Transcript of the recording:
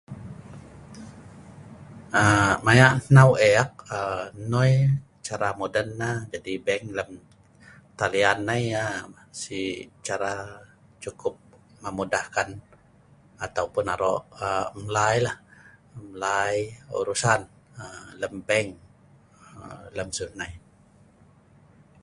aa mayak hnau ek aa noi cara moden nah jadi bank lem talian nei yah sik cara cukup memudahkan ataupun arok aa mlai la mlai urusan aa lem bank aa lem siu hnai